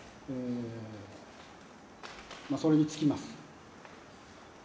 それに尽きます。